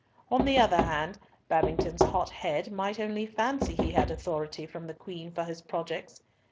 On the other hand, Babington's hot head might only fancy he had authority from the Queen for his projects.